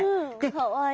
かわいい。